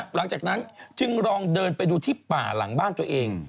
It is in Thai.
หลังจากนั้นจึงลองเดินไปดูที่ป่าหลังบ้านตัวเอง